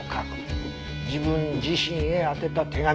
自分自身へ宛てた手紙。